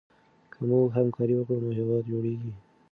که موږ همکاري وکړو نو هېواد جوړېږي.